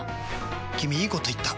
君いいこと言った！